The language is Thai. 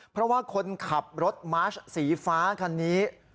เพราะว่าคนขับรถม้าส์สีฟ้าการนี้มีแบบนี้